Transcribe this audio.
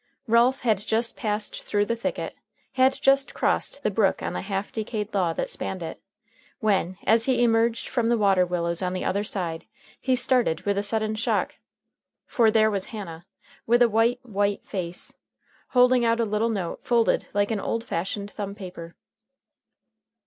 Ralph had just passed through the thicket, had just crossed the brook on the half decayed log that spanned it, when, as he emerged from the water willows on the other side, he started with a sudden shock. For there was Hannah, with a white, white face, holding out a little note folded like an old fashioned thumb paper.